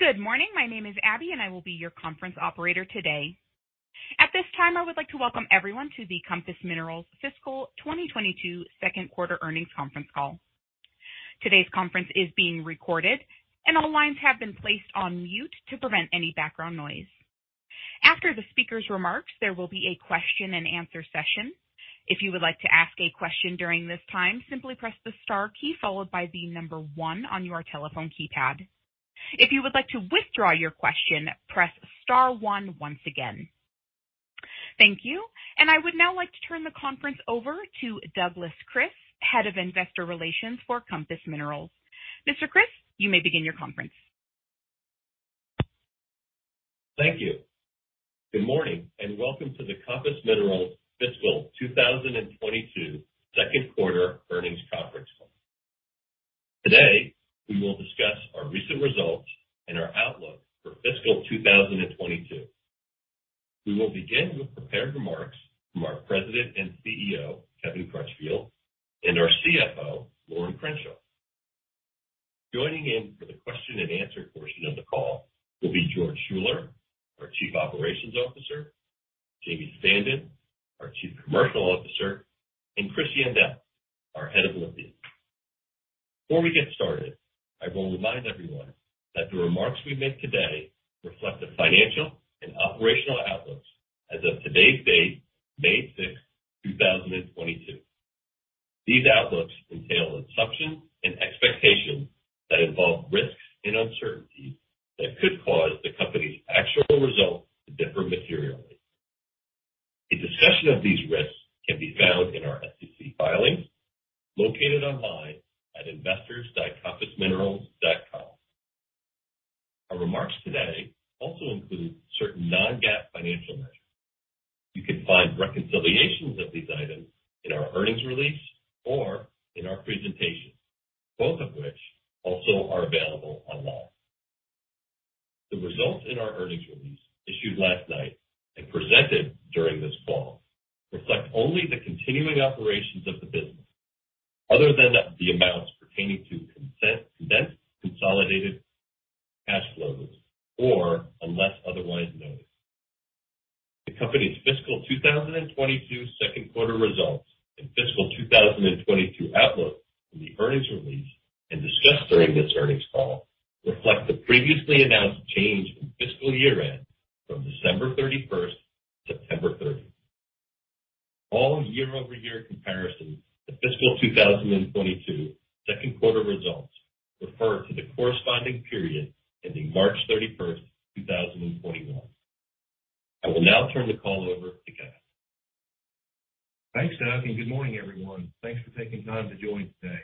Good morning. My name is Abby, and I will be your conference operator today. At this time, I would like to welcome everyone to the Compass Minerals Fiscal 2022 second quarter earnings conference call. Today's conference is being recorded and all lines have been placed on mute to prevent any background noise. After the speaker's remarks, there will be a question-and-answer session. If you would like to ask a question during this time, simply press the star key followed by the number one on your telephone keypad. If you would like to withdraw your question, press star one once again. Thank you. I would now like to turn the conference over to Douglas Kris, Head of Investor Relations for Compass Minerals. Mr. Kris, you may begin your conference. Thank you. Good morning and welcome to the Compass Minerals Fiscal 2022 second quarter earnings conference call. Today, we will discuss our recent results and our outlook for fiscal 2022. We will begin with prepared remarks from our President and CEO, Kevin Crutchfield, and our CFO, Lorin Crenshaw. Joining in for the question-and-answer portion of the call will be George Schuller, our Chief Operations Officer, Jamie Standen, our Chief Commercial Officer, and Chris Yandell, our Head of Lithium. Before we get started, I will remind everyone that the remarks we make today reflect the financial and operational outlooks as of today's date, May 6th, 2022. These outlooks entail assumptions and expectations that involve risks and uncertainties that could cause the company's actual results to differ materially. A discussion of these risks can be found in our SEC filings located online at investors.compassminerals.com. Our remarks today also include certain non-GAAP financial measures. You can find reconciliations of these items in our earnings release or in our presentation, both of which also are available online. The results in our earnings release issued last night and presented during this call reflect only the continuing operations of the business other than the amounts pertaining to the condensed consolidated cash flows or unless otherwise noted. The company's fiscal 2022 second quarter results and fiscal 2022 outlook in the earnings release and discussed during this earnings call reflect the previously announced change in fiscal year-end from December 31st to September 30. All year-over-year comparisons to fiscal 2022 second quarter results refer to the corresponding period ending March 31st, 2021. I will now turn the call over to Kevin. Thanks, Doug, and good morning, everyone. Thanks for taking time to join today.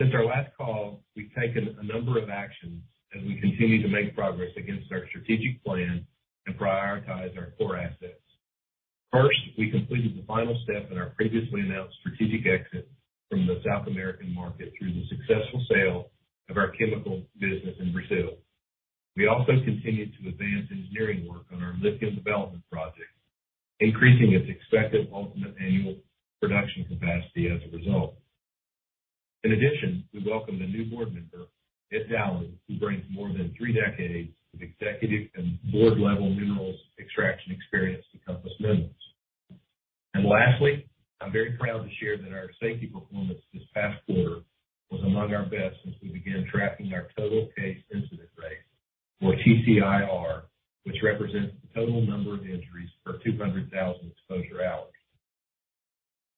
Since our last call, we've taken a number of actions as we continue to make progress against our strategic plan and prioritize our core assets. First, we completed the final step in our previously announced strategic exit from the South American market through the successful sale of our chemical business in Brazil. We also continued to advance engineering work on our lithium development project, increasing its expected ultimate annual production capacity as a result. In addition, we welcomed a new board member, Edward Dowling, who brings more than three decades of executive and board level minerals extraction experience to Compass Minerals. Lastly, I'm very proud to share that our safety performance this past quarter was among our best since we began tracking our total case incident rate, or TCIR, which represents the total number of injuries per 200,000 exposure hours.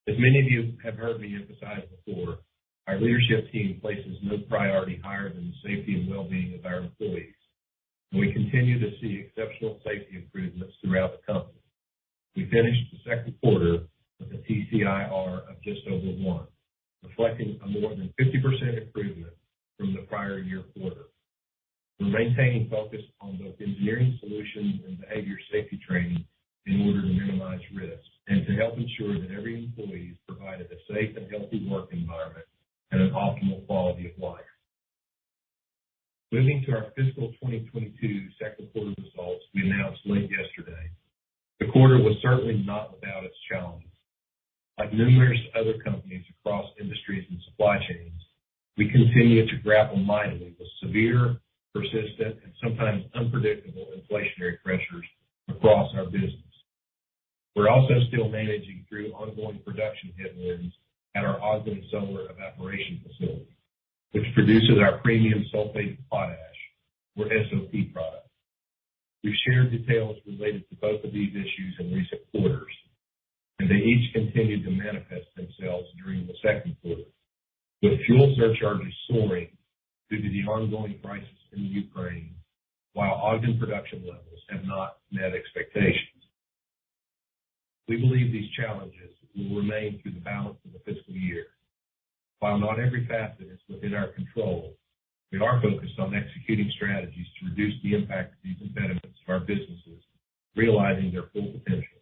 As many of you have heard me emphasize before, our leadership team places no priority higher than the safety and well-being of our employees, and we continue to see exceptional safety improvements throughout the company. We finished the second quarter with a TCIR of just over one, reflecting a more than 50% improvement from the prior year quarter. We're maintaining focus on both engineering solutions and behavior safety training in order to minimize risks and to help ensure that every employee is provided a safe and healthy work environment and an optimal quality of life. Moving to our fiscal 2022 second quarter results we announced late yesterday. The quarter was certainly not without its challenges. Like numerous other companies across industries and supply chains, we continued to grapple mightily with severe, persistent, and sometimes unpredictable inflationary pressures across our business. We're also still managing through ongoing production headwinds at our Ogden Solar evaporation facility, which produces our premium sulfate potash, or SOP product. We've shared details related to both of these issues in recent quarters, and they each continued to manifest themselves during the second quarter, with fuel surcharges soaring due to the ongoing crisis in Ukraine, while Ogden production levels have not met expectations. We believe these challenges will remain through the balance of the fiscal year. While not every facet is within our control, we are focused on executing strategies to reduce the impact of these impediments to our businesses, realizing their full potential.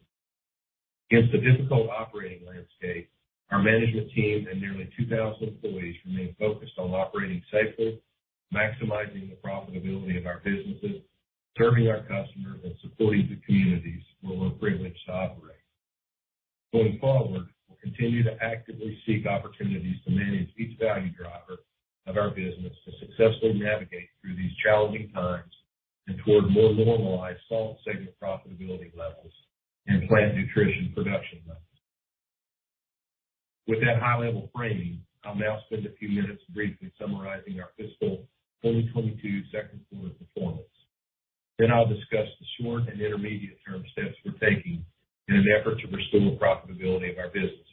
Against a difficult operating landscape, our management team and nearly 2,000 employees remain focused on operating safely, maximizing the profitability of our businesses, serving our customers, and supporting the communities where we're privileged to operate. Going forward, we'll continue to actively seek opportunities to manage each value driver of our business to successfully navigate through these challenging times and toward more normalized salt segment profitability levels and plant nutrition production levels. With that high-level framing, I'll now spend a few minutes briefly summarizing our fiscal 2022 second quarter performance. Then I'll discuss the short and intermediate term steps we're taking in an effort to restore profitability of our business.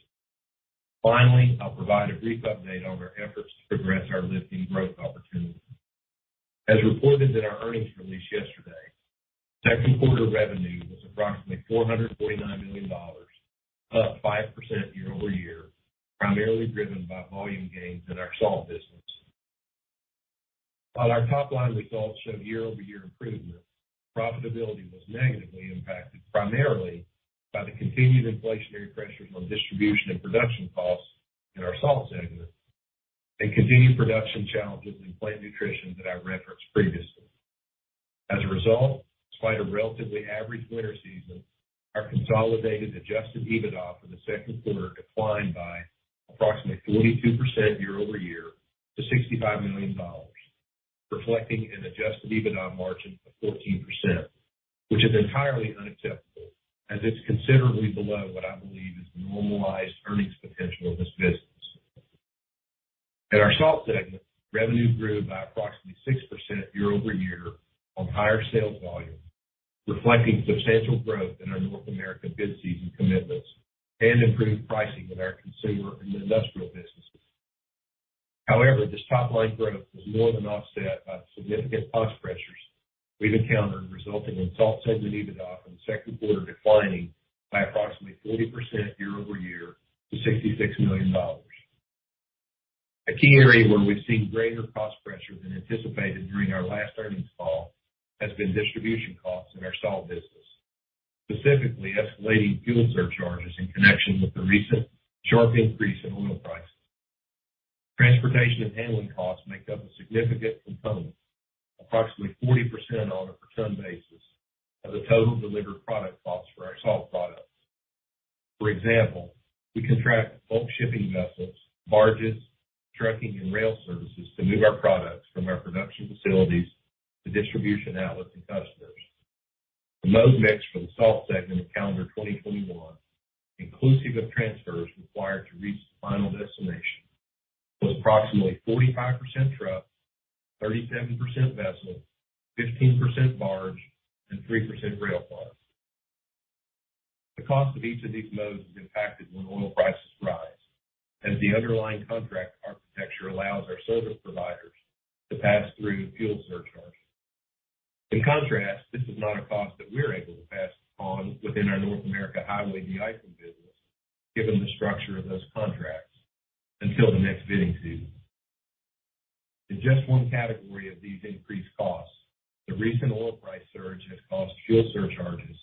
Finally, I'll provide a brief update on our efforts to progress our lithium growth opportunities. As reported in our earnings release yesterday, second quarter revenue was approximately $449 million, up 5% year-over-year, primarily driven by volume gains in our salt business. While our top line results showed year-over-year improvement, profitability was negatively impacted primarily by the continued inflationary pressures on distribution and production costs in our salt segment and continued production challenges in plant nutrition that I referenced previously. As a result, despite a relatively average winter season, our consolidated adjusted EBITDA for the second quarter declined by approximately 42% year-over-year to $65 million, reflecting an adjusted EBITDA margin of 14%, which is entirely unacceptable as it's considerably below what I believe is the normalized earnings potential of this business. In our Salt segment, revenue grew by approximately 6% year-over-year on higher sales volume, reflecting substantial growth in our North American bid season commitments and improved pricing in our Consumer and Industrial businesses. However, this top line growth was more than offset by the significant cost pressures we've encountered, resulting in Salt segment EBITDA for the second quarter declining by approximately 40% year-over-year to $66 million. A key area where we've seen greater cost pressure than anticipated during our last earnings call has been distribution costs in our Salt business, specifically escalating fuel surcharges in connection with the recent sharp increase in oil prices. Transportation and handling costs make up a significant component, approximately 40% on a per ton basis of the total delivered product costs for our Salt products. For example, we contract bulk shipping vessels, barges, trucking and rail services to move our products from our production facilities to distribution outlets and customers. The mode mix for the Salt segment in calendar 2021, inclusive of transfers required to reach the final destination, was approximately 45% truck, 37% vessel, 15% barge, and 3% rail cars. The cost of each of these modes is impacted when oil prices rise, as the underlying contract architecture allows our service providers to pass through fuel surcharges. In contrast, this is not a cost that we're able to pass on within our North America Highway Deicing business, given the structure of those contracts until the next bidding season. In just one category of these increased costs, the recent oil price surge has caused fuel surcharges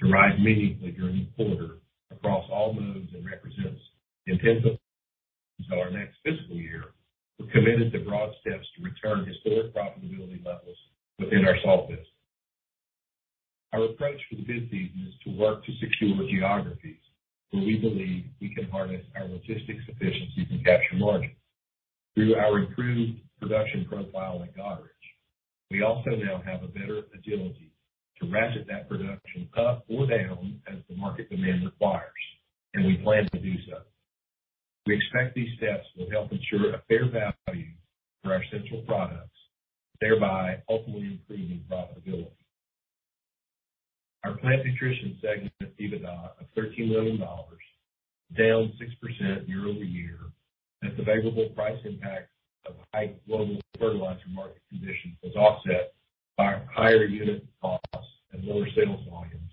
to rise meaningfully during the quarter across all modes and represents headwinds into our next fiscal year. We're committed to broad steps to return historic profitability levels within our salt business. Our approach for the bid season is to work to secure geographies where we believe we can harness our logistics efficiency to capture margin. Through our improved production profile at Goderich, we also now have a better agility to ratchet that production up or down as the market demand requires, and we plan to do so. We expect these steps will help ensure a fair value for our essential products, thereby ultimately improving profitability. Our plant nutrition segment has EBITDA of $13 million, down 6% year-over-year, as the favorable price impact of high global fertilizer market conditions was offset by higher unit costs and lower sales volumes,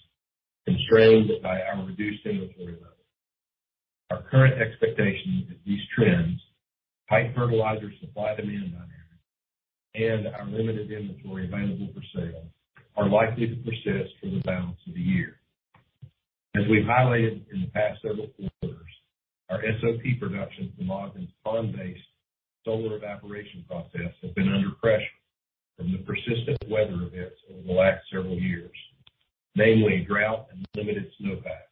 constrained by our reduced inventory levels. Our current expectation is that these trends, tight fertilizer supply/demand dynamics, and our limited inventory available for sale are likely to persist through the balance of the year. As we've highlighted in the past several quarters, our SOP production from Ogden's pond-based solar evaporation process have been under pressure from the persistent weather events over the last several years, namely drought and limited snowpack.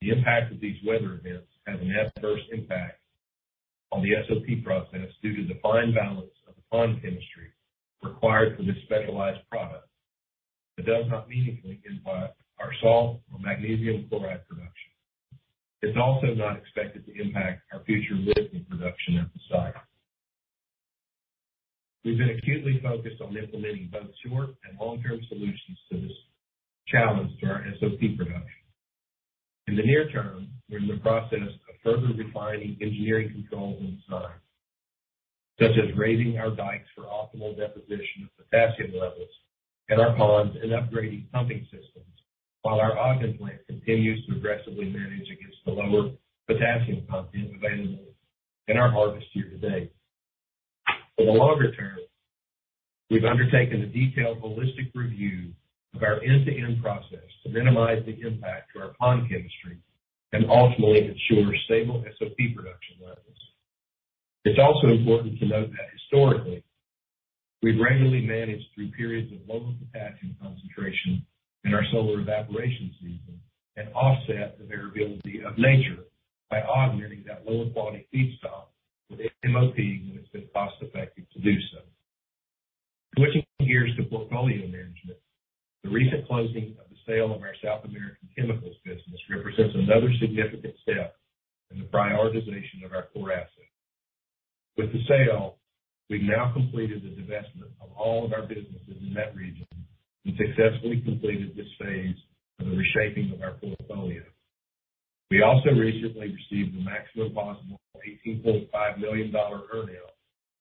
The impact of these weather events has an adverse impact on the SOP process due to the fine balance of the pond chemistry required for this specialized product that does not meaningfully impact our salt or magnesium chloride production. It's also not expected to impact our future lithium production at the site. We've been acutely focused on implementing both short and long-term solutions to this challenge to our SOP production. In the near term, we're in the process of further refining engineering controls and design, such as raising our dikes for optimal deposition of potassium levels in our ponds and upgrading pumping systems while our Ogden plant continues to aggressively manage against the lower potassium content available in our harvest year to date. For the longer term, we've undertaken a detailed holistic review of our end-to-end process to minimize the impact to our pond chemistry and ultimately ensure stable SOP production. It's also important to note that historically, we've regularly managed through periods of lower potassium concentration in our solar evaporation season and offset the variability of nature by augmenting that lower quality feedstock with MOP when it's been cost effective to do so. Switching gears to portfolio management, the recent closing of the sale of our South American chemicals business represents another significant step in the prioritization of our core assets. With the sale, we've now completed the divestment of all of our businesses in that region and successfully completed this phase of the reshaping of our portfolio. We also recently received the maximum possible $18.5 million earn-out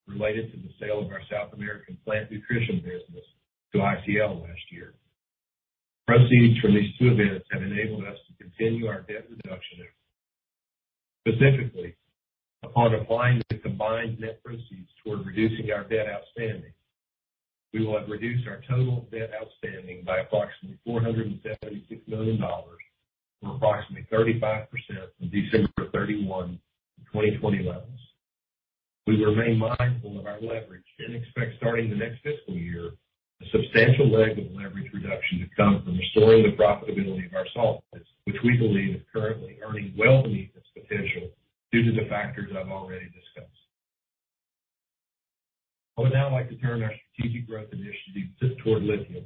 related to the sale of our South American Plant Nutrition business to ICL last year. Proceeds from these two events have enabled us to continue our debt reduction efforts. Specifically, upon applying the combined net proceeds toward reducing our debt outstanding, we will have reduced our total debt outstanding by approximately $476 million, or approximately 35% from December 31, 2020 levels. We remain mindful of our leverage and expect starting the next fiscal year, a substantial leg of leverage reduction to come from restoring the profitability of our Salt business, which we believe is currently earning well beneath its potential due to the factors I've already discussed. I would now like to turn our strategic growth initiatives toward lithium.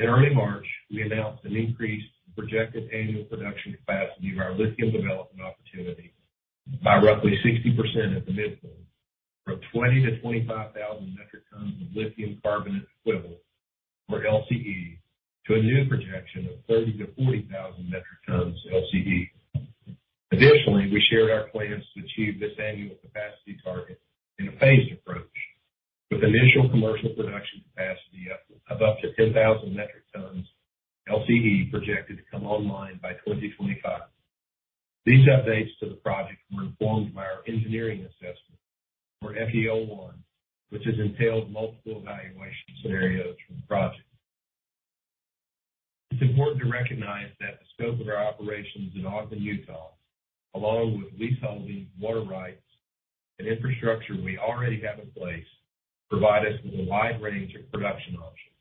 In early March, we announced an increase in projected annual production capacity of our lithium development opportunity by roughly 60% at the midpoint, from 20,000-25,000 metric tons of lithium carbonate equivalent, or LCE, to a new projection of 30,000-40,000 metric tons LCE. Additionally, we shared our plans to achieve this annual capacity target in a phased approach with initial commercial production capacity of up to 10,000 metric tons LCE projected to come online by 2025. These updates to the project were informed by our engineering assessment for FEL 1, which has entailed multiple evaluation scenarios for the project. It's important to recognize that the scope of our operations in Ogden, Utah, along with leasehold, water rights, and infrastructure we already have in place, provide us with a wide range of production options.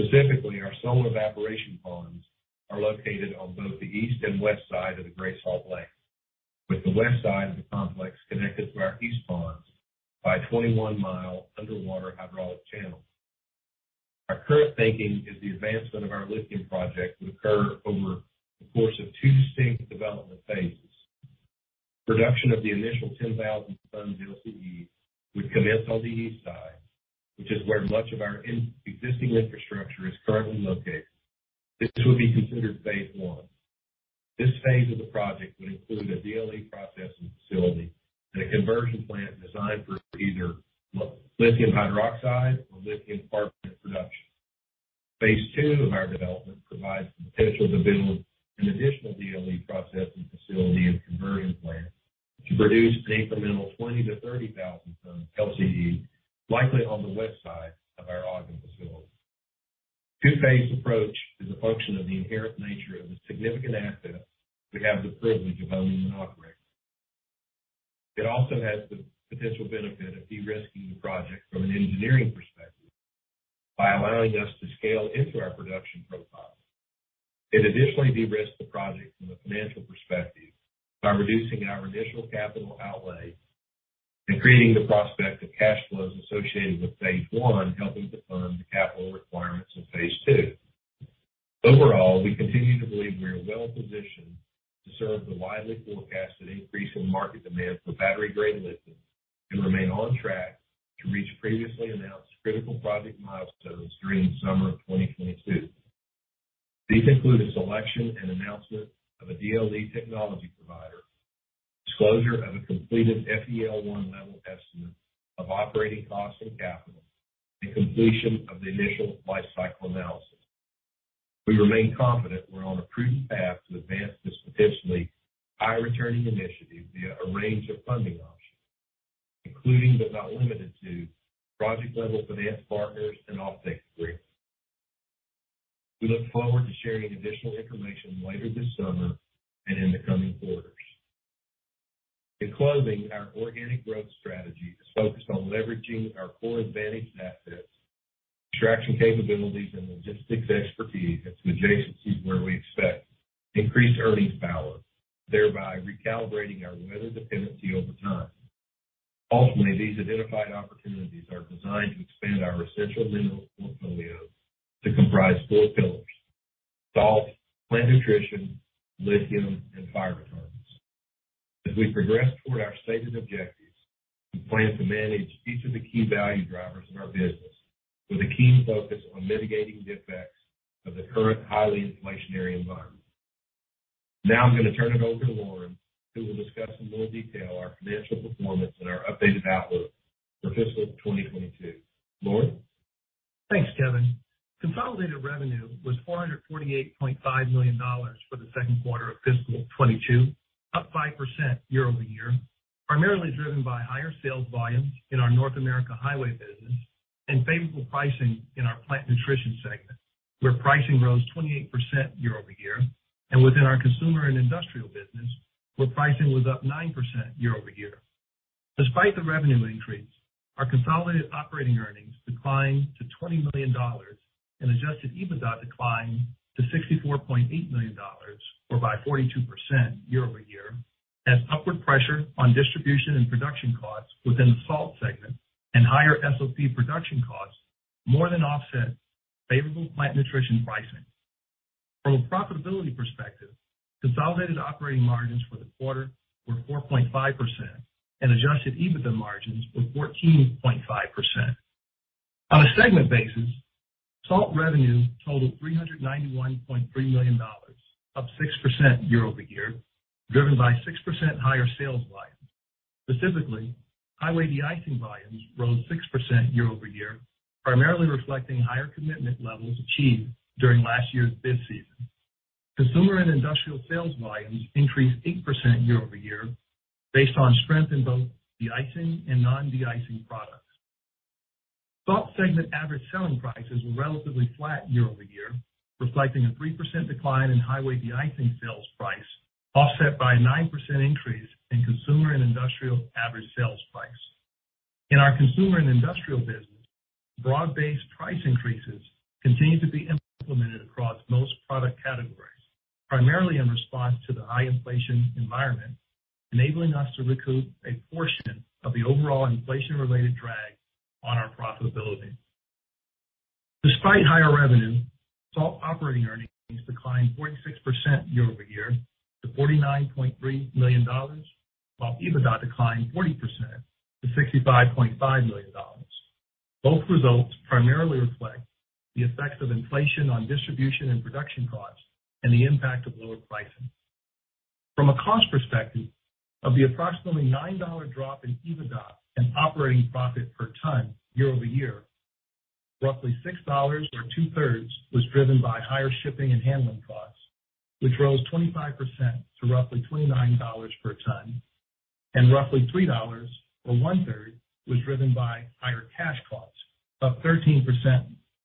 Specifically, our solar evaporation ponds are located on both the east and west side of the Great Salt Lake, with the west side of the complex connected to our east ponds by a 21-mile underwater hydraulic channel. Our current thinking is the advancement of our lithium project would occur over the course of two distinct development phases. Production of the initial 10,000 tons LCE would commence on the east side, which is where much of our existing infrastructure is currently located. This would be considered phase one. This phase of the project would include a DLE processing facility and a conversion plant designed for either lithium hydroxide or lithium carbonate production. Phase two of our development provides the potential to build an additional DLE processing facility and conversion plant to produce an incremental 20,000-30,000 tons LCE likely on the west side of our Ogden facility. Two-phase approach is a function of the inherent nature of the significant assets we have the privilege of owning and operating. It also has the potential benefit of de-risking the project from an engineering perspective by allowing us to scale into our production profile. It additionally de-risks the project from a financial perspective by reducing our initial capital outlay and creating the prospect of cash flows associated with phase one, helping to fund the capital requirements of phase two. Overall, we continue to believe we are well-positioned to serve the widely forecasted increase in market demand for battery-grade lithium and remain on track to reach previously announced critical project milestones during the summer of 2022. These include a selection and announcement of a DLE technology provider, disclosure of a completed FEL 1-level estimate of operating costs and capital, and completion of the initial life cycle analysis. We remain confident we're on a prudent path to advance this potentially high-returning initiative via a range of funding options, including, but not limited to, project-level finance partners and off-take agreements. We look forward to sharing additional information later this summer and in the coming quarters. In closing, our organic growth strategy is focused on leveraging our core advantage and assets, extraction capabilities, and logistics expertise into adjacencies where we expect increased earnings power, thereby recalibrating our weather dependency over time. Ultimately, these identified opportunities are designed to expand our essential minerals portfolio to comprise four pillars, Salt, Plant Nutrition, lithium, and fire retardants. As we progress toward our stated objectives, we plan to manage each of the key value drivers in our business with a keen focus on mitigating the effects of the current highly inflationary environment. Now I'm gonna turn it over to Lorin, who will discuss in more detail our financial performance and our updated outlook for fiscal 2022. Lorin? Thanks, Kevin. Consolidated revenue was $448.5 million for the second quarter of fiscal 2022, up 5% year-over-year, primarily driven by higher sales volumes in our North America highway business and favorable pricing in our plant nutrition segment, where pricing rose 28% year-over-year, and within our consumer and industrial business, where pricing was up 9% year-over-year. Despite the revenue increase, our consolidated operating earnings declined to $20 million and adjusted EBITDA declined to $64.8 million, or by 42% year-over-year, as upward pressure on distribution and production costs within the salt segment and higher SOP production costs more than offset favorable plant nutrition pricing. From a profitability perspective, consolidated operating margins for the quarter were 4.5% and adjusted EBITDA margins were 14.5%. On a segment basis, Salt revenue totaled $391.3 million, up 6% year-over-year, driven by 6% higher sales volume. Specifically, Highway Deicing volumes rose 6% year-over-year, primarily reflecting higher commitment levels achieved during last year's bid season. Consumer and Industrial sales volumes increased 8% year-over-year based on strength in both de-icing and non-de-icing products. Salt segment average selling prices were relatively flat year-over-year, reflecting a 3% decline in Highway Deicing sales price, offset by a 9% increase in Consumer and Industrial average sales price. In our Consumer and Industrial business, broad-based price increases continue to be implemented across most product categories, primarily in response to the high inflation environment, enabling us to recoup a portion of the overall inflation-related drag on our profitability. Despite higher revenue, salt operating earnings declined 46% year-over-year to $49.3 million, while EBITDA declined 40% to $65.5 million. Both results primarily reflect the effects of inflation on distribution and production costs and the impact of lower pricing. From a cost perspective, of the approximately $9 drop in EBITDA and operating profit per ton year-over-year, roughly $6, or two-thirds, was driven by higher shipping and handling costs, which rose 25% to roughly $29 per ton, and roughly $3, or 1/3, was driven by higher cash costs, up 13%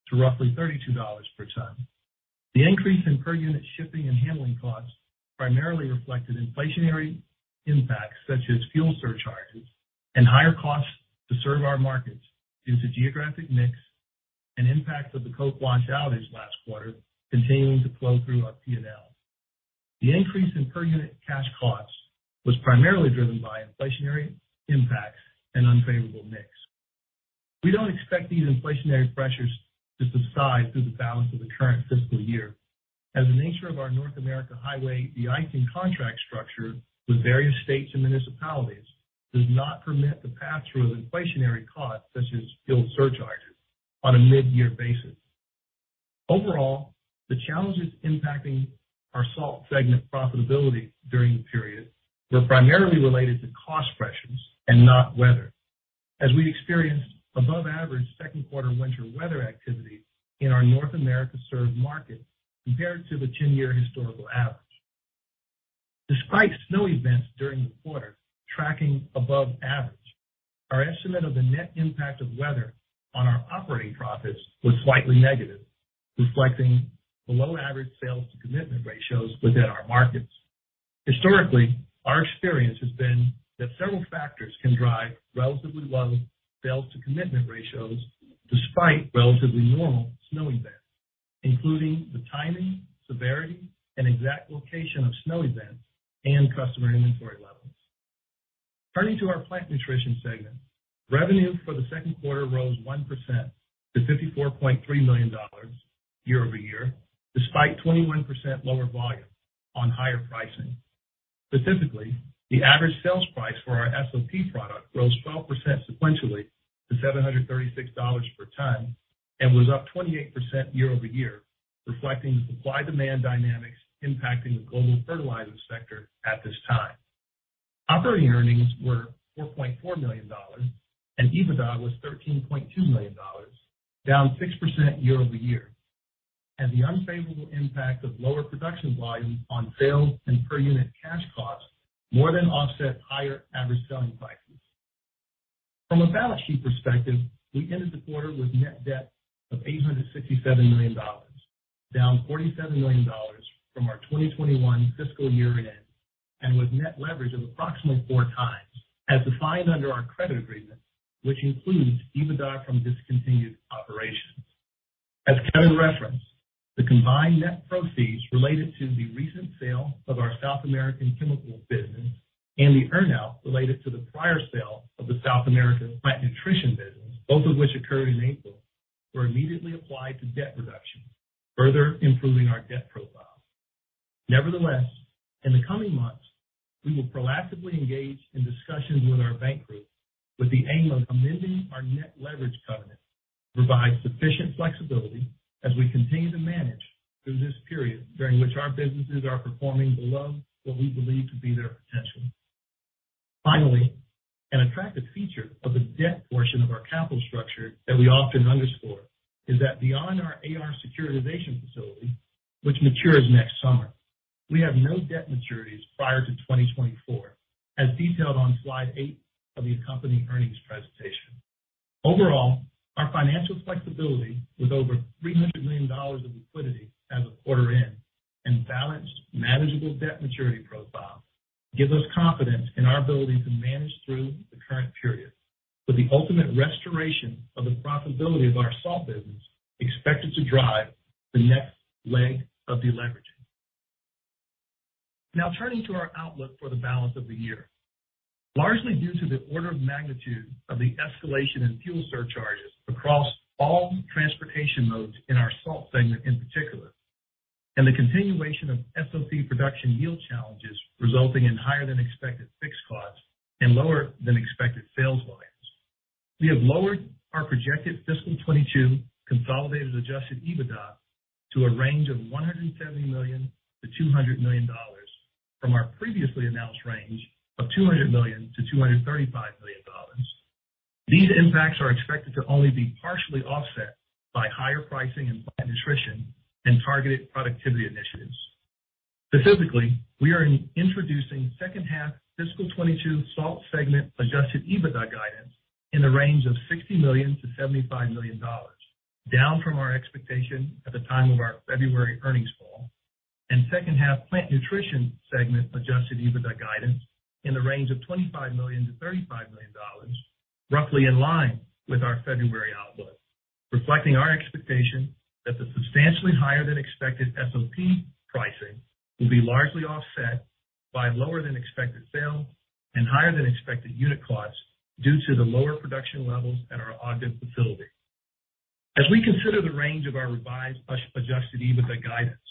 to roughly $32 per ton. The increase in per unit shipping and handling costs primarily reflected inflationary impacts such as fuel surcharges and higher costs to serve our markets due to geographic mix and impacts of the Cote Blanche outage last quarter continuing to flow through our P&L. The increase in per unit cash costs was primarily driven by inflationary impacts and unfavorable mix. We don't expect these inflationary pressures to subside through the balance of the current fiscal year as the nature of our North America Highway Deicing contract structure with various states and municipalities does not permit the pass-through of inflationary costs such as fuel surcharges on a mid-year basis. Overall, the challenges impacting our salt segment profitability during the period were primarily related to cost pressures and not weather, as we experienced above average second quarter winter weather activity in our North America served market compared to the ten-year historical average. Despite snow events during the quarter tracking above average, our estimate of the net impact of weather on our operating profits was slightly negative, reflecting below average sales to commitment ratios within our markets. Historically, our experience has been that several factors can drive relatively low sales to commitment ratios despite relatively normal snow events, including the timing, severity, and exact location of snow events and customer inventory levels. Turning to our Plant Nutrition segment, revenue for the second quarter rose 1% to $54.3 million year-over-year, despite 21% lower volume on higher pricing. Specifically, the average sales price for our SOP product rose 12% sequentially to $736 per ton and was up 28% year-over-year, reflecting the supply-demand dynamics impacting the global fertilizer sector at this time. Operating earnings were $4.4 million and EBITDA was $13.2 million, down 6% year-over-year, as the unfavorable impact of lower production volume on sales and per unit cash costs more than offset higher average selling prices. From a balance sheet perspective, we ended the quarter with net debt of $867 million, down $47 million from our 2021 fiscal year end, and with net leverage of approximately 4x as defined under our credit agreement, which includes EBITDA from discontinued operations. As Kevin referenced, the combined net proceeds related to the recent sale of our South American chemicals business and the earn out related to the prior sale of the South American plant nutrition business, both of which occurred in April, were immediately applied to debt reduction, further improving our debt profile. Nevertheless, in the coming months, we will proactively engage in discussions with our bank group with the aim of amending our net leverage covenant to provide sufficient flexibility as we continue to manage through this period during which our businesses are performing below what we believe to be their potential. Finally, an attractive feature of the debt portion of our capital structure that we often underscore is that beyond our AR securitization facility, which matures next summer, we have no debt maturities prior to 2024, as detailed on slide eight of the accompanying earnings presentation. Overall, our financial flexibility with over $300 million of liquidity as of quarter end and balanced manageable debt maturity profile gives us confidence in our ability to manage through the current period. With the ultimate restoration of the profitability of our salt business expected to drive the next leg of deleveraging. Now turning to our outlook for the balance of the year. Largely due to the order of magnitude of the escalation in fuel surcharges across all transportation modes in our Salt segment in particular, and the continuation of SOP production yield challenges resulting in higher than expected fixed costs and lower than expected sales volumes, we have lowered our projected fiscal 2022 consolidated adjusted EBITDA to a range of $170 million-$200 million from our previously announced range of $200 million-$235 million. These impacts are expected to only be partially offset by higher pricing in Plant Nutrition and targeted productivity initiatives. Specifically, we are introducing second half fiscal 2022 salt segment adjusted EBITDA guidance in the range of $60 million-$75 million, down from our expectation at the time of our February earnings call, and second half Plant Nutrition segment adjusted EBITDA guidance in the range of $25 million-$35 million, roughly in line with our February outlook, reflecting our expectation that the substantially higher than expected SOP pricing will be largely offset by lower than expected sales and higher than expected unit costs due to the lower production levels at our Ogden facility. As we consider the range of our revised adjusted EBITDA guidance,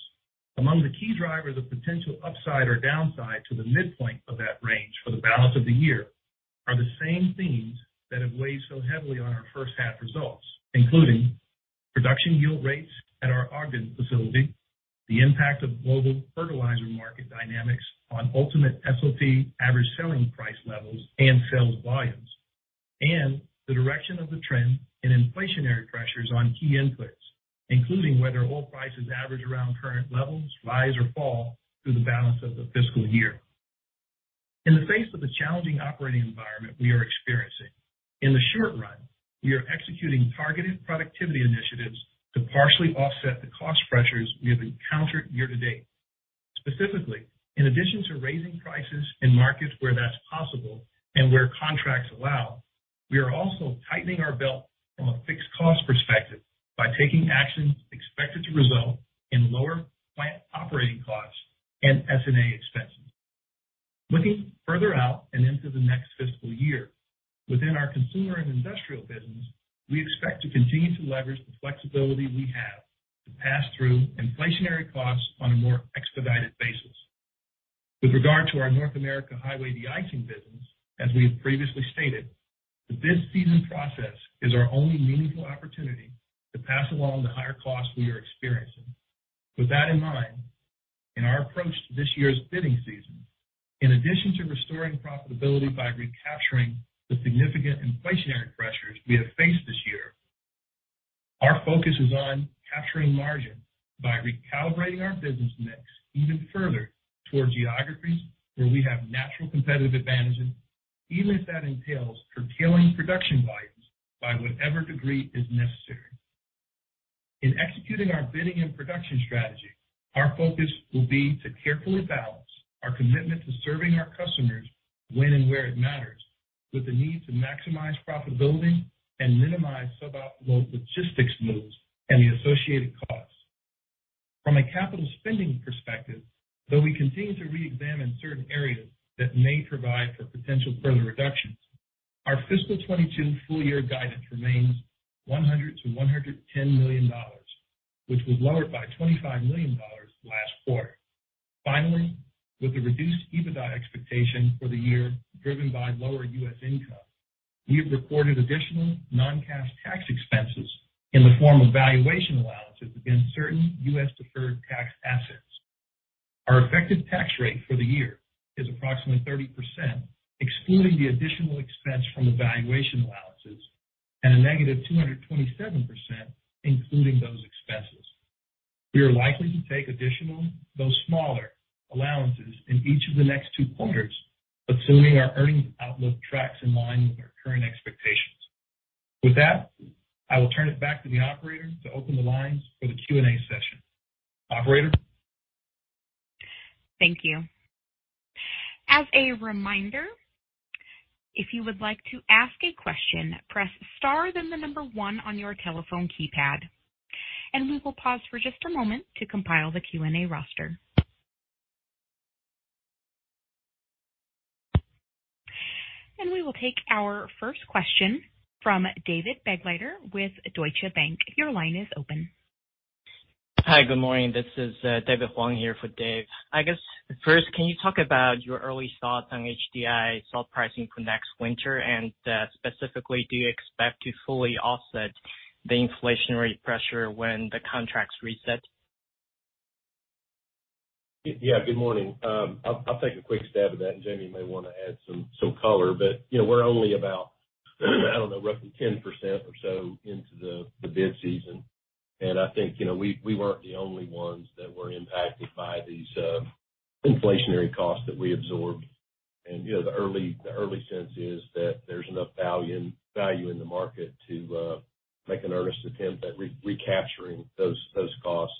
among the key drivers of potential upside or downside to the midpoint of that range for the balance of the year are the same themes that have weighed so heavily on our first half results, including production yield rates at our Ogden facility, the impact of global fertilizer market dynamics on ultimate SOP average selling price levels and sales volumes, and the direction of the trend in inflationary pressures on key inputs, including whether oil prices average around current levels, rise or fall through the balance of the fiscal year. In the face of the challenging operating environment we are experiencing, in the short run, we are executing targeted productivity initiatives to partially offset the cost pressures we have encountered year to date. Specifically, in addition to raising prices in markets where that's possible and where contracts allow, we are also tightening our belt from a fixed cost perspective by taking actions expected to result in lower plant operating costs and SG&A expenses. Looking further out and into the next fiscal year, within our Consumer and Industrial business, we expect to continue to leverage the flexibility we have to pass through inflationary costs on a more expedited basis. With regard to our North American Highway Deicing business, as we have previously stated, the bid season process is our only meaningful opportunity to pass along the higher costs we are experiencing. With that in mind, in our approach to this year's bidding season, in addition to restoring profitability by recapturing the significant inflationary pressures we have faced this year, our focus is on capturing margin by recalibrating our business mix even further towards geographies where we have natural competitive advantages, even if that entails curtailing production volumes by whatever degree is necessary. In executing our bidding and production strategy, our focus will be to carefully balance our commitment to serving our customers when and where it matters with the need to maximize profitability and minimize suboptimal logistics moves and the associated costs. From a capital spending perspective, though we continue to reexamine certain areas that may provide for potential further reductions, our fiscal 2022 full year guidance remains $100 million-$110 million, which was lowered by $25 million last quarter. Finally, with the reduced EBITDA expectation for the year driven by lower U.S. income, we have recorded additional non-cash tax expenses in the form of valuation allowances against certain U.S. deferred tax assets. Our effective tax rate for the year is approximately 30%, excluding the additional expense from the valuation allowances, and a -227%, including those expenses. We are likely to take additional, though smaller, allowances in each of the next two quarters, assuming our earnings outlook tracks in line with our current expectations. With that, I will turn it back to the operator to open the lines for the Q&A session. Operator? Thank you. As a reminder, if you would like to ask a question, press star then the number one on your telephone keypad. We will pause for just a moment to compile the Q&A roster. We will take our first question from David Begleiter with Deutsche Bank. Your line is open. Hi. Good morning. This is David Huang here for Dave. I guess first, can you talk about your early thoughts on HDI salt pricing for next winter? Specifically, do you expect to fully offset the inflationary pressure when the contracts reset? Yeah, good morning. I'll take a quick stab at that, and Jamie may wanna add some color. You know, we're only about, I don't know, roughly 10% or so into the bid season. I think, you know, we weren't the only ones that were impacted by these inflationary costs that we absorbed. You know, the early sense is that there's enough value in the market to make an earnest attempt at recapturing those costs.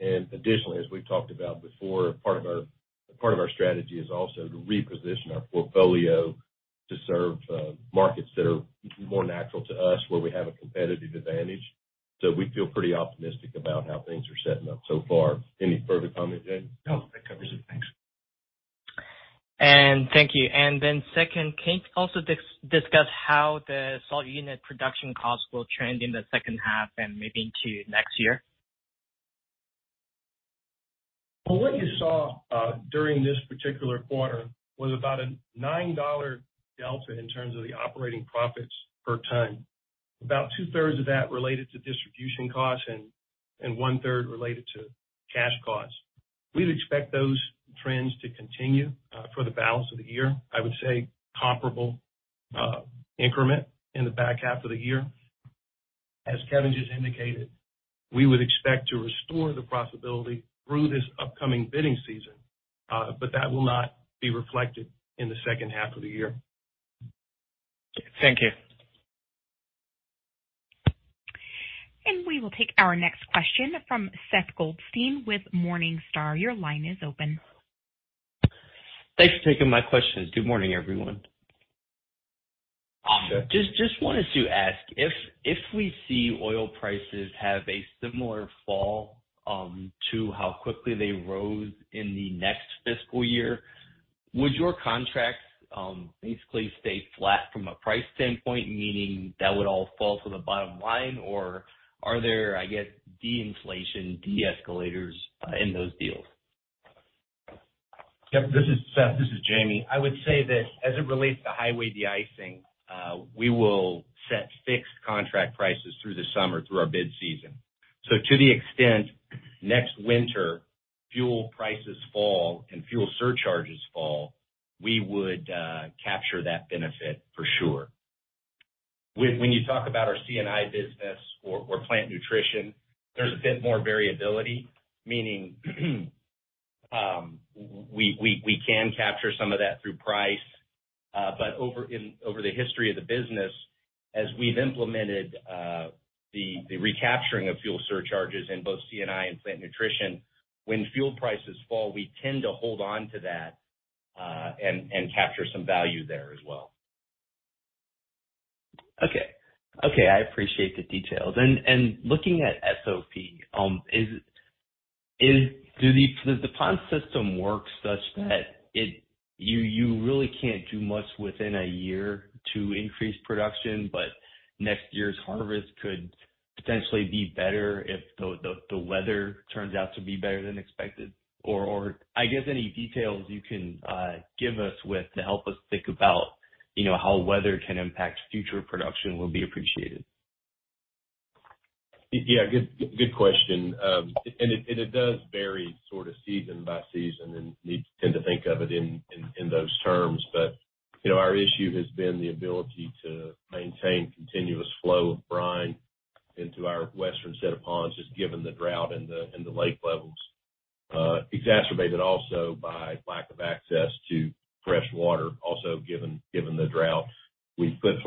Additionally, as we've talked about before, part of our strategy is also to reposition our portfolio to serve markets that are more natural to us, where we have a competitive advantage. We feel pretty optimistic about how things are setting up so far. Any further comment, Jamie? No, that covers it. Thanks. Thank you. Second, can you also discuss how the salt unit production costs will trend in the second half and maybe into next year? Well, what you saw during this particular quarter was about a $9 delta in terms of the operating profits per ton. About two-thirds of that related to distribution costs and one-third related to cash costs. We'd expect those trends to continue for the balance of the year. I would say comparable increment in the back half of the year. As Kevin just indicated, we would expect to restore the profitability through this upcoming bidding season, but that will not be reflected in the second half of the year. Thank you. We will take our next question from Seth Goldstein with Morningstar. Your line is open. Thanks for taking my questions. Good morning, everyone. Seth. Just wanted to ask, if we see oil prices have a similar fall to how quickly they rose in the next fiscal year, would your contracts basically stay flat from a price standpoint, meaning that would all fall to the bottom line? Or are there, I guess, deflation de-escalators in those deals? Yep. This is Seth, this is Jamie. I would say that as it relates to Highway Deicing, we will set fixed contract prices through the summer through our bid season. To the extent next winter fuel prices fall and fuel surcharges fall, we would capture that benefit for sure. When you talk about our C&I business or Plant Nutrition, there's a bit more variability, meaning we can capture some of that through price. Over the history of the business, as we've implemented the recapturing of fuel surcharges in both C&I and Plant Nutrition, when fuel prices fall, we tend to hold on to that and capture some value there as well. Okay, I appreciate the details. Looking at SOP, does the pond system work such that you really can't do much within a year to increase production, but next year's harvest could potentially be better if the weather turns out to be better than expected? Or I guess any details you can give us with to help us think about, you know, how weather can impact future production will be appreciated. Yeah, good question. It does vary sort of season by season, and we tend to think of it in those terms. You know, our issue has been the ability to maintain continuous flow of brine into our western set of ponds, just given the drought and the lake levels, exacerbated also by lack of access to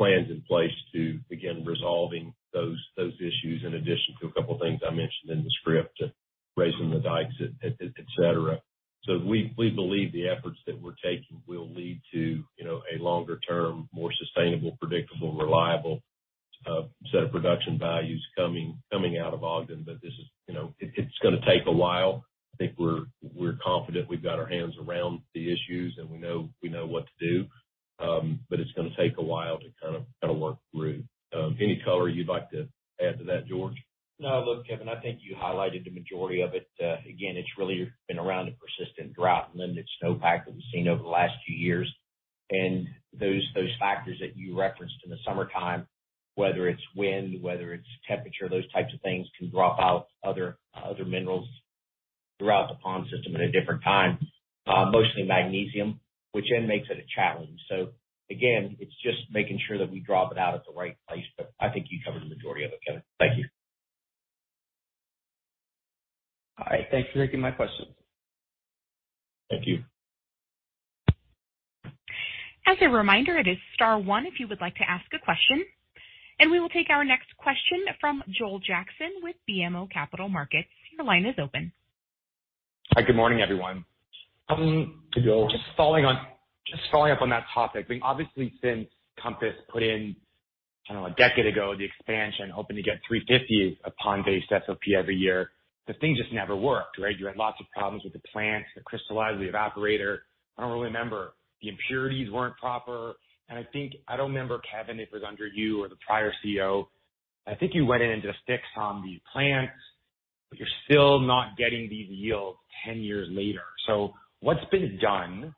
fresh water, also given the drought. We've put plans in place to begin resolving those issues in addition to a couple things I mentioned in the script, raising the dikes, et cetera. We believe the efforts that we're taking will lead to, you know, a longer term, more sustainable, predictable, reliable set of production values coming out of Ogden. This is, you know, it's gonna take a while. I think we're confident we've got our hands around the issues, and we know what to do, but it's gonna take a while to kind of work through. Any color you'd like to add to that, George? No. Look, Kevin, I think you highlighted the majority of it. Again, it's really been around the persistent drought and limited snowpack that we've seen over the last few years. Those factors that you referenced in the summertime, whether it's wind, whether it's temperature, those types of things can drop out other minerals throughout the pond system at a different time. Mostly magnesium, which then makes it a challenge. Again, it's just making sure that we drop it out at the right place, but I think you covered the majority of it, Kevin. Thank you. All right. Thanks for taking my questions. Thank you. As a reminder, it is star one if you would like to ask a question. We will take our next question from Joel Jackson with BMO Capital Markets. Your line is open. Hi. Good morning, everyone. Hi, Joel. Just following up on that topic. I mean, obviously since Compass put in, I don't know, a decade ago, the expansion hoping to get 350 of pond-based SOP every year. The thing just never worked, right? You had lots of problems with the plants that crystallize the evaporator. I don't really remember. The impurities weren't proper. I think I don't remember, Kevin, if it was under you or the prior CEO. I think you went in and did a fix on the plants, but you're still not getting these yields 10 years later. What's been done?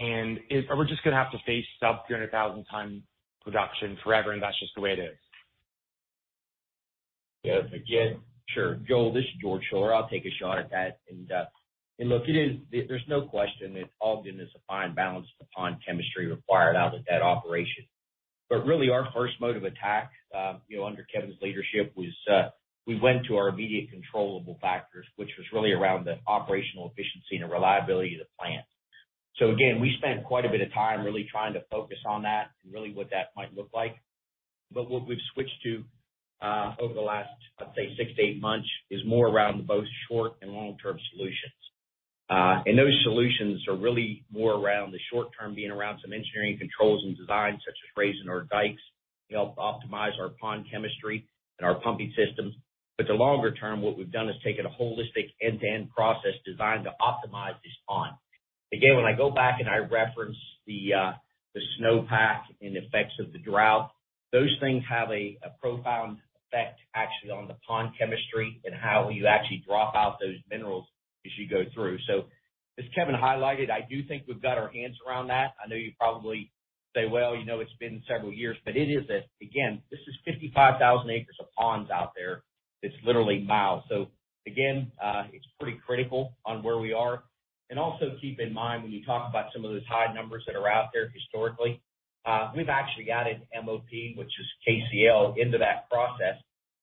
Are we just gonna have to face sub-300,000 ton production forever, and that's just the way it is? Yes, again. Sure, Joel, this is George Schuller. I'll take a shot at that. Look, it is, there's no question that all of it is a fine balance upon chemistry required out of that operation. Really our first mode of attack, you know, under Kevin's leadership was, we went to our immediate controllable factors, which was really around the operational efficiency and the reliability of the plant. Again, we spent quite a bit of time really trying to focus on that and really what that might look like. What we've switched to, over the last, I'd say 6-8 months, is more around both short and long-term solutions. Those solutions are really more around the short term being around some engineering controls and designs such as raising our dikes to help optimize our pond chemistry and our pumping systems. The longer term, what we've done is taken a holistic end-to-end process designed to optimize this pond. Again, when I go back and I reference the snowpack and effects of the drought, those things have a profound effect actually on the pond chemistry and how you actually drop out those minerals as you go through. As Kevin highlighted, I do think we've got our hands around that. I know you probably say, "Well, you know, it's been several years," but it is that. Again, this is 55,000 acres of ponds out there. It's literally miles. Again, it's pretty critical on where we are. Also keep in mind when you talk about some of those high numbers that are out there historically, we've actually added MOP, which is KCL, into that process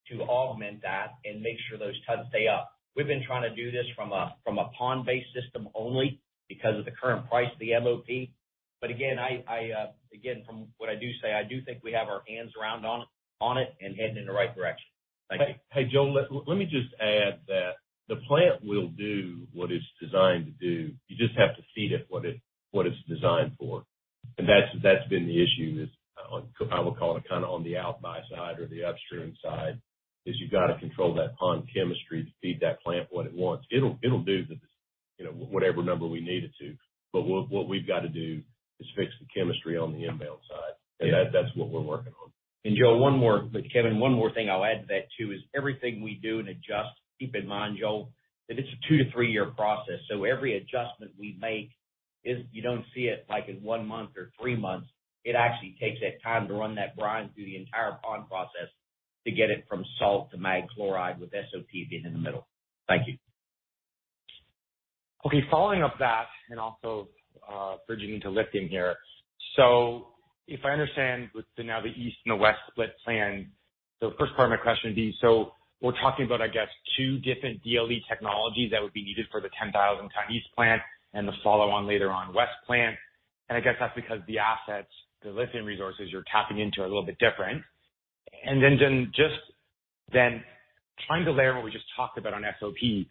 to augment that and make sure those tons stay up. We've been trying to do this from a pond-based system only because of the current price of the MOP. Again, from what I can say, I do think we have our hands around it and heading in the right direction. Thank you. Hey, George, let me just add that the plant will do what it's designed to do. You just have to feed it what it's designed for. That's been the issue. It's on, I would call it kind of on the outby side or the upstream side. You got to control that pond chemistry to feed that plant what it wants. It'll do the, you know, whatever number we need it to. What we've got to do is fix the chemistry on the inbound side. That's what we're working on. Joel, one more. Kevin, one more thing I'll add to that too, is everything we do and adjust, keep in mind, Joel, that it's a two to three-year process. Every adjustment we make is you don't see it like in one month or three months. It actually takes that time to run that brine through the entire pond process to get it from salt to mag chloride with SOP being in the middle. Thank you. Okay. Following up that and also, bridging into lithium here. If I understand with the new east and the west split plan, first part of my question would be, so we're talking about, I guess, two different DLE technologies that would be needed for the 10,000-ton east plant and the follow-on later on west plant. I guess that's because the assets, the lithium resources you're tapping into are a little bit different. Then just trying to layer what we just talked about on SOP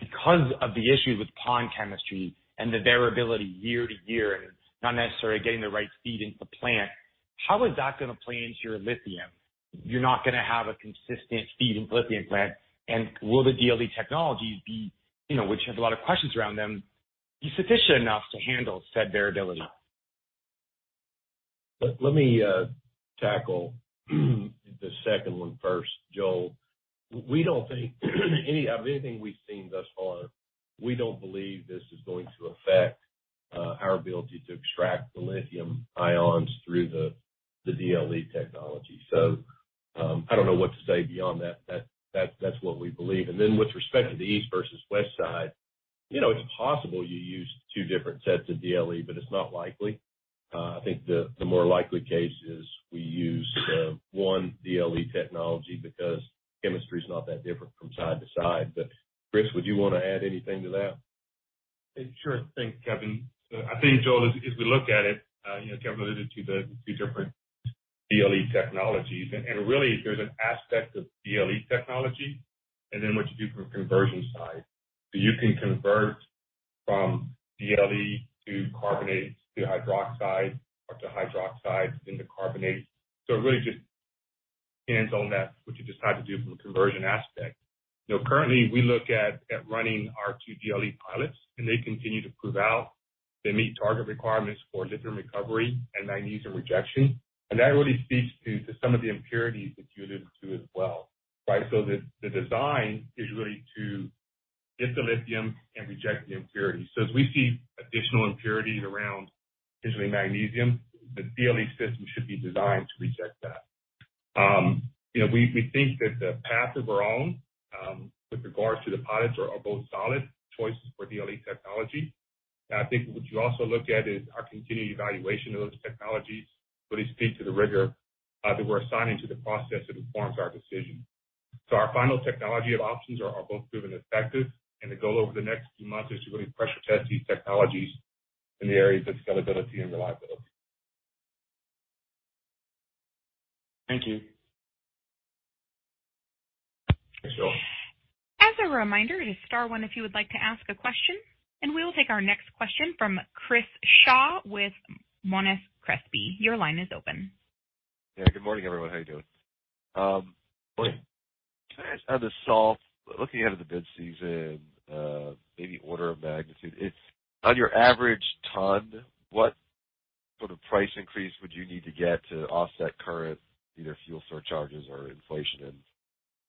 because of the issues with pond chemistry and the variability year to year and not necessarily getting the right feed into the plant, how is that gonna play into your lithium? You're not gonna have a consistent feed in lithium plant. Will the DLE technologies be, you know, which have a lot of questions around them, be sufficient enough to handle said variability? Let me tackle the second one first, Joel. We don't think any of anything we've seen thus far, we don't believe this is going to affect our ability to extract the lithium ions through the DLE technology. I don't know what to say beyond that. That's what we believe. Then with respect to the east versus west side, you know, it's possible you use two different sets of DLE, but it's not likely. I think the more likely case is we use the one DLE technology because chemistry is not that different from side to side. Chris, would you want to add anything to that? Sure thing, Kevin. I think, Joel, as we look at it, you know, Kevin alluded to the two different DLE technologies, and really there's an aspect of DLE technology and then what you do from a conversion side. You can convert from DLE to carbonates to hydroxide or to hydroxides into carbonates. It really just depends on that, what you decide to do from a conversion aspect. You know, currently, we look at running our two DLE pilots, and they continue to prove out. They meet target requirements for lithium recovery and magnesium rejection. That really speaks to some of the impurities that you alluded to as well, right? The design is really to get the lithium and reject the impurities. As we see additional impurities around, usually magnesium, the DLE system should be designed to reject that. You know, we think that the path of our own with regards to the pilots are both solid choices for DLE technology. I think what you also look at is our continued evaluation of those technologies really speak to the rigor that we're assigning to the process that informs our decision. Our final technology of options are both proven effective, and the goal over the next few months is to really pressure test these technologies in the areas of scalability and reliability. Thank you. Sure. As a reminder, it is star one if you would like to ask a question. We will take our next question from Chris Shaw with Monness, Crespi, Hardt & Co. Your line is open. Yeah. Good morning, everyone. How are you doing? Can I ask on the salt, looking ahead of the bid season, maybe order of magnitude, it's on your average ton, what sort of price increase would you need to get to offset current either fuel surcharges or inflation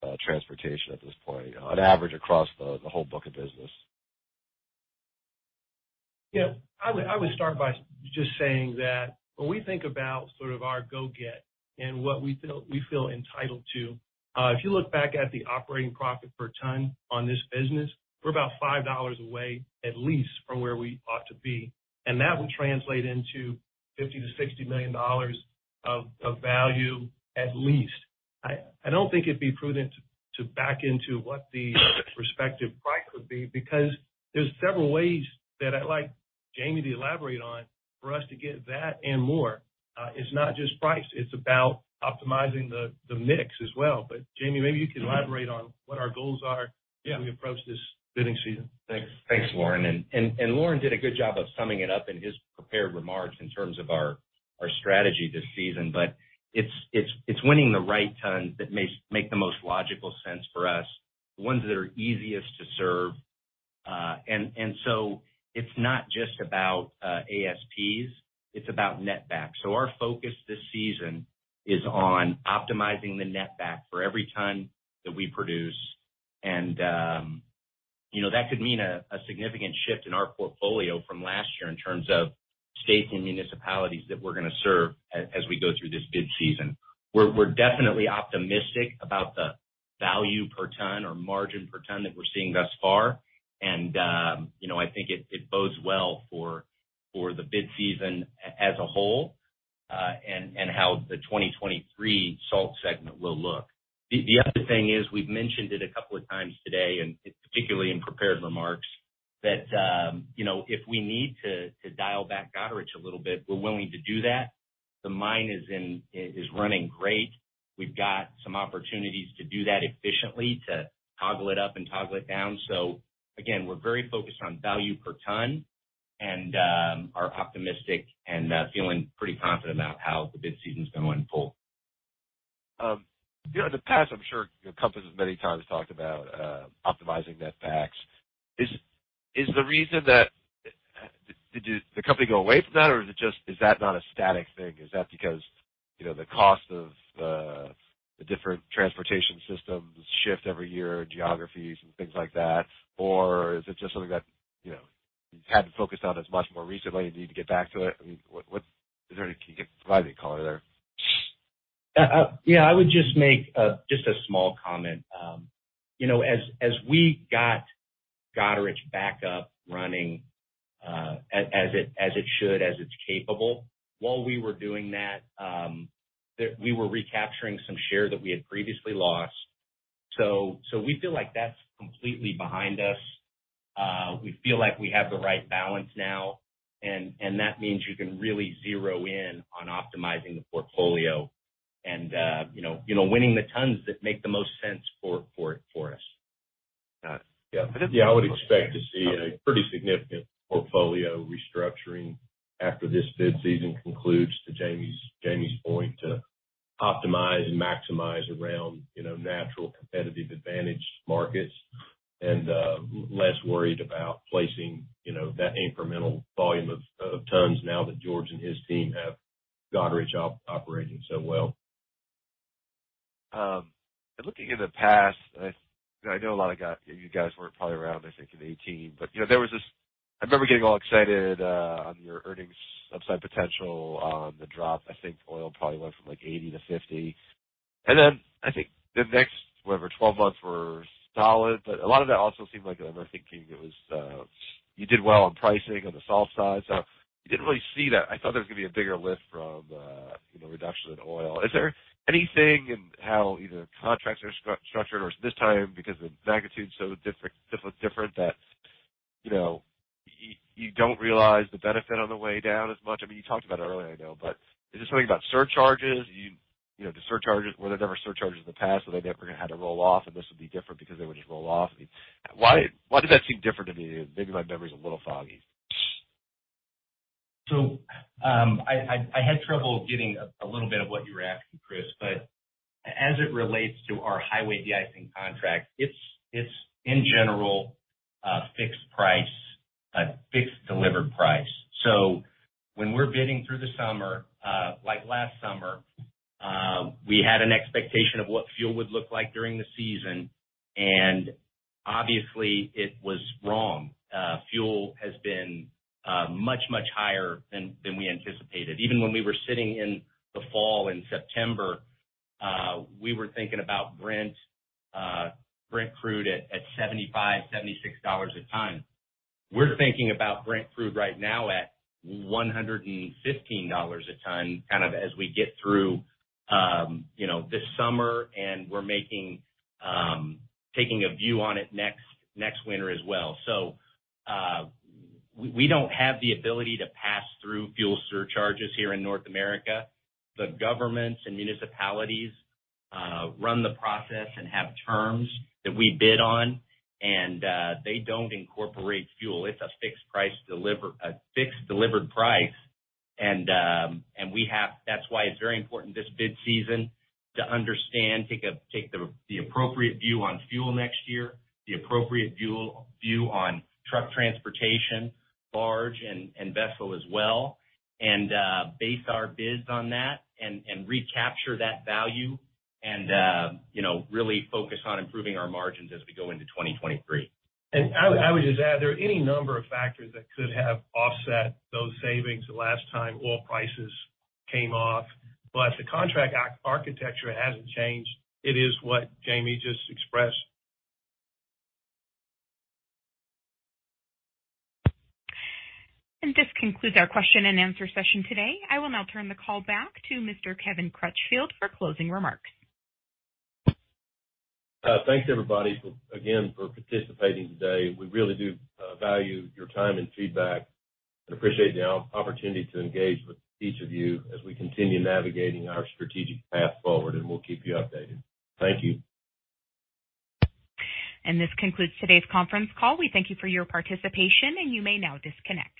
in transportation at this point on average across the whole book of business? I would start by just saying that when we think about sort of our go-get and what we feel entitled to, if you look back at the operating profit per ton on this business, we're about $5 away, at least from where we ought to be. That will translate into $50 million-$60 million of value at least. I don't think it'd be prudent to back into what the respective price would be because there's several ways that I'd like Jamie to elaborate on for us to get that and more. It's not just price, it's about optimizing the mix as well. Jamie, maybe you can elaborate on what our goals are as we approach this bidding season. Thanks. Thanks, Lorin. Lorin did a good job of summing it up in his prepared remarks in terms of our strategy this season. It's winning the right ton that makes the most logical sense for us, the ones that are easiest to serve. It's not just about ASPs, it's about netback. Our focus this season is on optimizing the netback for every ton that we produce. You know, that could mean a significant shift in our portfolio from last year in terms of states and municipalities that we're gonna serve as we go through this bid season. We're definitely optimistic about the value per ton or margin per ton that we're seeing thus far. You know, I think it bodes well for the bid season as a whole, and how the 2023 salt segment will look. The other thing is, we've mentioned it a couple of times today, and particularly in prepared remarks, that you know, if we need to dial back Goderich a little bit, we're willing to do that. The mine is running great. We've got some opportunities to do that efficiently, to toggle it up and toggle it down. We're very focused on value per ton and are optimistic and feeling pretty confident about how the bid season's gonna unfold. You know, in the past, I'm sure companies many times talked about optimizing netbacks. Did the company go away from that, or is it just not a static thing? Is that because, you know, the cost of the different transportation systems shift every year in geographies and things like that, or is it just something that, you know, you had to focus on as much more recently and you need to get back to it? I mean, what? Why don't you call it that? I would just make just a small comment. You know, as we got Goderich back up running, as it should, as it's capable, while we were doing that, we were recapturing some share that we had previously lost. We feel like that's completely behind us. We feel like we have the right balance now, and that means you can really zero in on optimizing the portfolio and, you know, winning the tons that make the most sense for us. Yeah. Yeah. I would expect to see a pretty significant portfolio restructuring after this bid season concludes, to Jamie's point, to optimize and maximize around, you know, natural competitive advantage markets and, less worried about placing, you know, that incremental volume of tons now that George and his team have Goderich operating so well. Looking in the past, I know a lot of you guys weren't probably around, I think in 2018, but you know, there was this. I remember getting all excited on your earnings upside potential on the drop. I think oil probably went from, like, $80-$50. Then I think the next, whatever, 12 months were solid. A lot of that also seemed like, I remember thinking it was you did well on pricing on the salt side, so you didn't really see that. I thought there was gonna be a bigger lift from you know, reduction in oil. Is there anything in how either contracts are structured or this time because the magnitude is so different that you know, you don't realize the benefit on the way down as much? I mean, you talked about it earlier, I know, but is it something about surcharges? You know, the surcharges, were there ever surcharges in the past that they never had to roll off and this would be different because they would just roll off? Why does that seem different to me? Maybe my memory is a little foggy. I had trouble getting a little bit of what you were asking, Chris, but as it relates to our highway de-icing contract, it's in general a fixed price, a fixed delivered price. When we're bidding through the summer, like last summer, we had an expectation of what fuel would look like during the season, and obviously it was wrong. Fuel has been much higher than we anticipated. Even when we were sitting in the fall in September, we were thinking about Brent crude at $75-$76 a ton. We're thinking about Brent crude right now at $115 a ton, kind of as we get through, you know, this summer, and we're taking a view on it next winter as well. We don't have the ability to pass through fuel surcharges here in North America. The governments and municipalities run the process and have terms that we bid on, and they don't incorporate fuel. It's a fixed delivered price. That's why it's very important this bid season to understand, take the appropriate view on fuel next year, the appropriate view on truck transportation, barge and vessel as well, and base our bids on that and recapture that value and you know, really focus on improving our margins as we go into 2023. I would just add, there are any number of factors that could have offset those savings the last time oil prices came off. The contract architecture hasn't changed. It is what Jamie just expressed. This concludes our question and answer session today. I will now turn the call back to Mr. Kevin Crutchfield for closing remarks. Thanks, everybody, for, again, for participating today. We really do value your time and feedback and appreciate the opportunity to engage with each of you as we continue navigating our strategic path forward, and we'll keep you updated. Thank you. This concludes today's conference call. We thank you for your participation, and you may now disconnect.